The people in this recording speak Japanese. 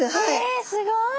えすごい！